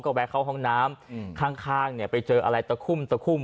แวะเข้าห้องน้ำข้างเนี่ยไปเจออะไรตะคุ่มตะคุ่ม